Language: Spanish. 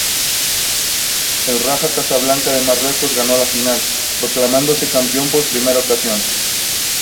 El Raja Casablanca de Marruecos ganó la final, proclamándose campeón por primera ocasión.